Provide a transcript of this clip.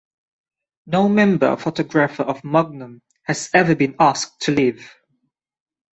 No member photographer of Magnum has ever been asked to leave.